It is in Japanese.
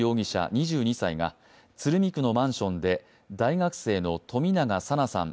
２２歳が鶴見区のマンションで大学生の冨永紗菜さん